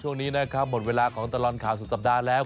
ช่วงนี้นะครับหมดเวลาของตลอดข่าวสุดสัปดาห์แล้ว